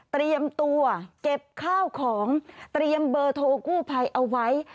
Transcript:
เตรียมตัวเก็บข้าวของเตรียมเบอร์โทรกู้ภัยเอาไว้